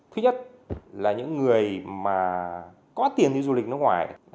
thứ nhất là những người mà có tiền đi du lịch nước ngoài